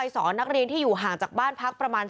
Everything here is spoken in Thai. สอนนักเรียนที่อยู่ห่างจากบ้านพักประมาณ